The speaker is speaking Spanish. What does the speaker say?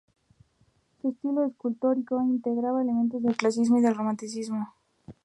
Su estilo escultórico integraba elementos del clasicismo y del romanticismo.